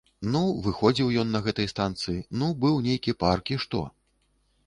Ну, выходзіў ён на гэтай станцыі, ну, быў нейкі парк і што?